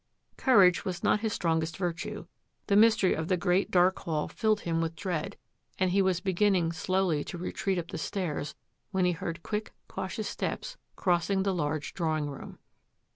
Courage was not his strongest virtue; the mystery of the great, dark hall filled him with dread, and he was beginning slowly to retreat up the stairs when he heard quick, cautious steps crossing the large drawing room.